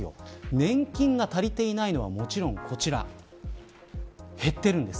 年金が足りていないのはもちろん、こちら減っているんです。